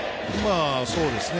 そうですね。